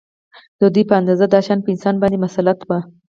د دوی په اند دا شیان په انسان باندې مسلط وو